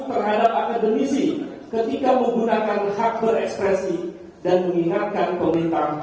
terhadap akademisi ketika menggunakan hak berekspresi dan mengingatkan pemerintah